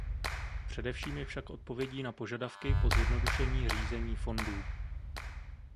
Především je však odpovědí na požadavky po zjednodušení řízení fondů.